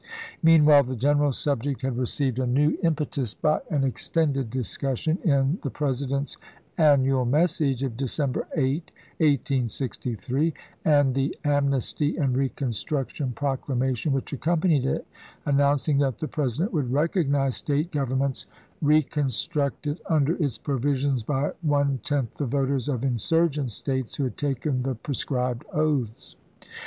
Meanwhile the general subject had received a new impetus by an extended discussion in the Presi dent's annual message of December 8, 1863, and the amnesty and reconstruction proclamation which accompanied it, announcing that the Presi dent would recognize State governments recon structed under its provisions by one tenth the voters of insurgent States who had taken the pre scribed oaths.